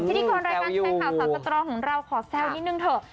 ที่ดิกรณรายการแค่ข่าวสัตว์กระตรอของเราขอแซลนิดนึงเถอะ